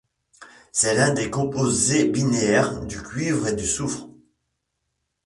C'est l'un des composés binaires du cuivre et du soufre.